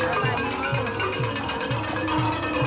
สวัสดีครับข้างหลังครับ